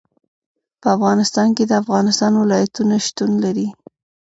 په افغانستان کې د افغانستان ولايتونه شتون لري.